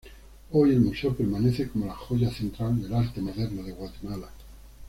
Hoy el Museo permanece como la joya central del arte moderno de Guatemala.